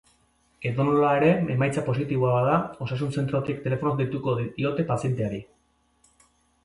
Edonola ere, emaitza positiboa bada, osasun zentrotik telefonoz deituko diote pazienteari.